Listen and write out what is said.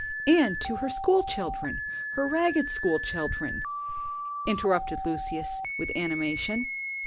"And to her school children—her Ragged school children!" interrupted Lucius with animation.